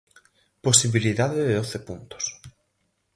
Posibilidade de doce puntos.